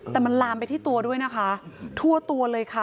แต่มันลามไปที่ตัวด้วยนะคะทั่วตัวเลยค่ะ